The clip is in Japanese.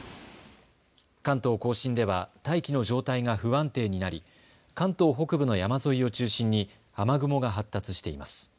関東甲信では大気の状態が不安定になり関東北部の山沿いを中心に雨雲が発達しています。